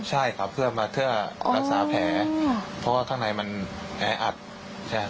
ใช่ครับเพื่อมาเพื่อรักษาแผลเพราะว่าข้างในมันแออัดใช่ไหม